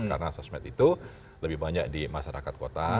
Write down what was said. karena sosmed itu lebih banyak di masyarakat kota